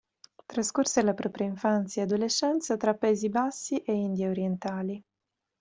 Trascorse la propria infanzia e adolescenza tra Paesi Bassi e Indie orientali.